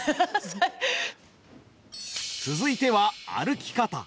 続いては歩き方。